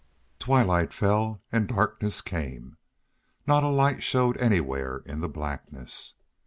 Twilight fell and darkness came. Not a light showed anywhere in the blackness.